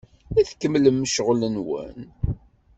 I tkemmlem ccɣel-nwen?